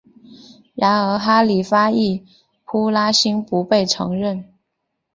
然而哈里发易卜拉欣不被承认。